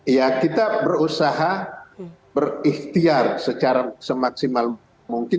ya kita berusaha berikhtiar secara semaksimal mungkin